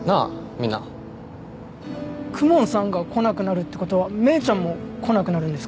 みんな公文さんが来なくなるってことは芽衣ちゃんも来なくなるんですか？